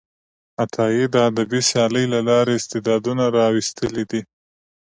عطایي د ادبي سیالۍ له لارې استعدادونه راویستلي دي.